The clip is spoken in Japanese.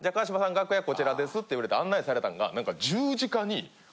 楽屋こちらです」って言われて案内されたんが。